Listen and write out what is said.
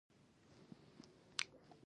ایا ستاسو امبولانس به تیار نه وي؟